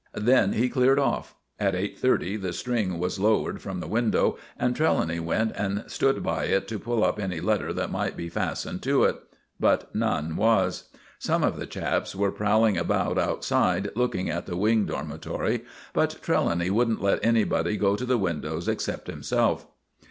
Then he cleared off. At 8.30 the string was lowered from the window, and Trelawny went and stood by it to pull up any letter that might be fastened to it. But none was. Some of the chaps were prowling about outside looking at the Wing Dormitory, but Trelawny wouldn't let anybody go to the windows except himself.